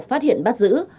phát hiện bắt giữ